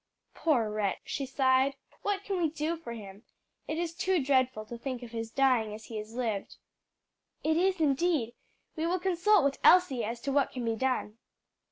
"Poor wretch!" she sighed, "what can we do for him? It is too dreadful to think of his dying as he has lived." "It is, indeed! We will consult with Elsie as to what can be done."